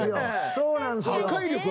そうなんですよ。